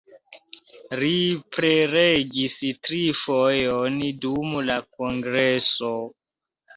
Li prelegis tri fojojn dum la kongreso.